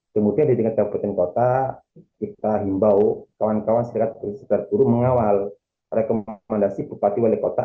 kemudian di tingkat kabupaten kota kita himbau kawan kawan serikat pekerja serikat buruh mengawal rekomendasi bupati wali kota